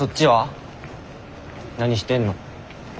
何してんの？